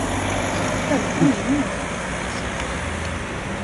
Pas le moins du monde! répondit Cyprien.